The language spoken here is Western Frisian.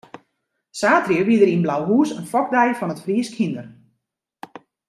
Saterdei wie der yn Blauhûs in fokdei fan it Fryske hynder.